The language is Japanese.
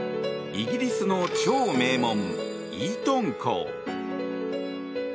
イギリスの超名門イートン校。